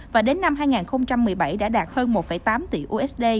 và đến năm hai nghìn một mươi bảy đã đạt hơn một tám tỷ usd